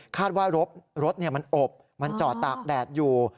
ว่ารถมันอบมันจอดตากแดดอยู่